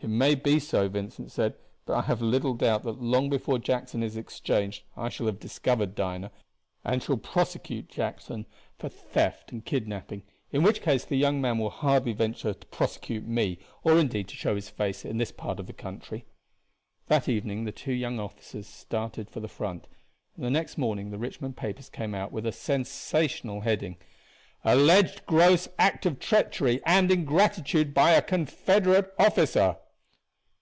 "It may be so," Vincent said; "but I have little doubt that long before Jackson is exchanged I shall have discovered Dinah, and shall prosecute Jackson for theft and kidnaping, in which case the young man will hardly venture to prosecute me or indeed to show his face in this part of the country." That evening the two young officers started for the front, and the next morning the Richmond papers came out with a sensational heading, "Alleged Gross Act of Treachery and Ingratitude by a Confederate Officer."